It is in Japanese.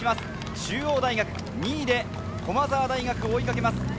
中央大学２位で駒澤大学を追いかけます。